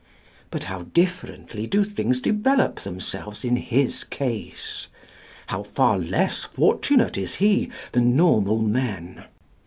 But how differently do things develop themselves in his case! How far less fortunate is he than normal man!